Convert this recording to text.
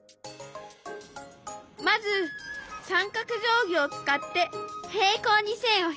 まず三角定規を使って平行に線を引いていく。